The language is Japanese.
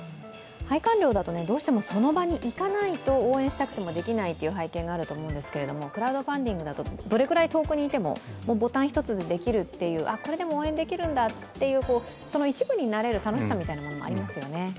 拝観料だと、どうしてもその場に行かないと応援したくてもできないという背景があると思うんですがクラウドファンディングだとどれくらい遠くにいてもボタン一つでできる、これでも応援できるんだという、その一部になれる楽しさみたいなものがありますよね。